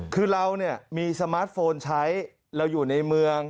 คือเราเนี่ยมีสมาร์ทโฟนใช้เราอยู่ในเมือง